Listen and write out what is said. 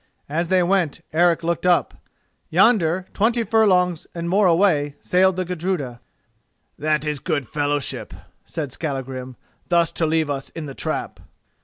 As they went Eric looked up. Yonder, twenty furlongs and more away, sailed the Gudruda. "This is good fellowship," said Skallagrim, "thus to leave us in the trap."